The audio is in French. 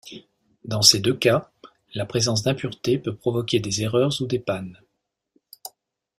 Dans ces deux cas, la présence d'impuretés peut provoquer des erreurs ou des pannes.